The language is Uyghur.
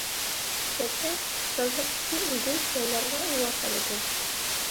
ئادەتتە سازلىقتىكى ئېگىز جايلارغا ئۇۋا سالىدۇ.